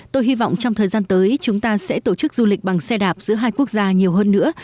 tôi hy vọng trong thời gian tới chúng ta sẽ tổ chức du lịch bằng xe đạp giữa hai quốc gia nhiều hơn nữa